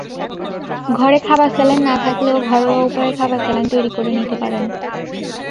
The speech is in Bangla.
ঘরে খাবার স্যালাইন না থাকলেও ঘরোয়া উপায়ে খাবার স্যালাইন তৈরি করে নিতে পারেন।